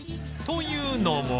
というのも